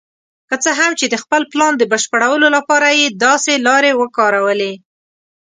که څه هم چې د خپل پلان د بشپړولو لپاره یې داسې لارې وکارولې.